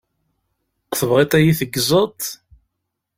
Tebɣiḍ ad yi-teggzeḍ?